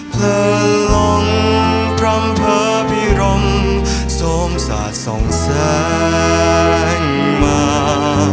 เพลิงลงพร่ำเพาพิรมโซมศาสตร์สองแสนมา